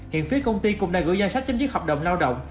hiện phía công ty cũng đã gửi danh sách chấm dứt hợp đồng lao động